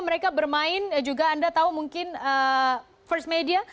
mereka bermain juga anda tahu mungkin first media